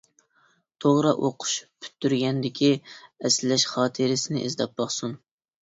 توغرا، ئوقۇش پۈتتۈرگەندىكى ئەسلەش خاتىرىسىنى ئىزدەپ باقسۇن.